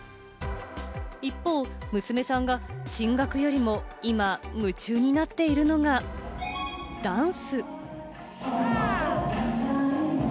一方、娘さんが進学よりも今、夢中になっているのが、ダンス。